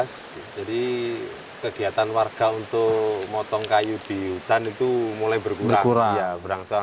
setelah adanya biogas jadi kegiatan warga untuk motong kayu di hutan itu mulai berkurang